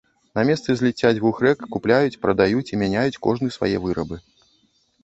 На месцы зліцця дзвюх рэк купляюць, прадаюць і мяняюць кожны свае вырабы.